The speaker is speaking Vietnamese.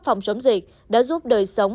phòng chống dịch đã giúp đời sống